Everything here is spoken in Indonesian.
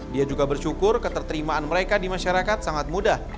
dia juga bersyukur keterterimaan mereka di masyarakat sangat mudah